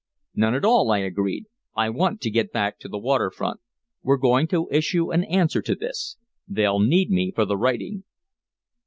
"None at all," I agreed. "I want to get back to the waterfront. We're going to issue an answer to this. They'll need me for the writing."